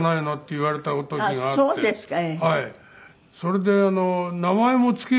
そうですか。